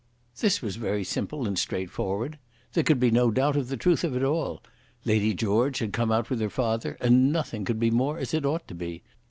This was very simple and straightforward. There could be no doubt of the truth of it all. Lady George had come out with her father and nothing could be more as it ought to be.